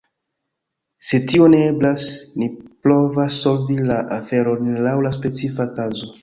Se tio ne eblas, ni provas solvi la aferon laŭ la specifa kazo.